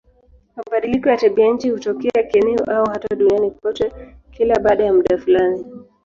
Mabadiliko ya tabianchi hutokea kieneo au hata duniani kote kila baada ya muda fulani.